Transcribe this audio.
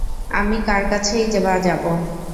আমি কার কাছেই বা যাবো?